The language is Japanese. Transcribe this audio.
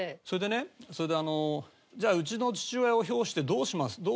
それでねそれであのじゃあうちの父親を評してどうします？